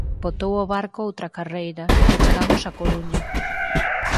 Botou o barco outra carreira, e chegamos á Coruña